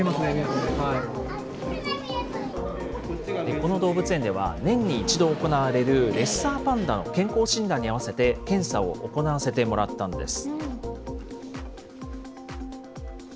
この動物園では、年に１度行われるレッサーパンダの健康診断に合わせて、検査を行わせてもらったんです。